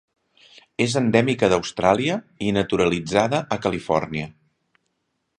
És endèmica d'Austràlia i naturalitzada a Califòrnia.